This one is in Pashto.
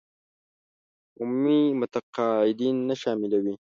عمومي متقاعدين نه شاملوي.